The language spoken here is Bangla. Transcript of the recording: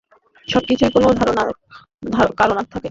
সবকিছুই কোন কারণ থাকে।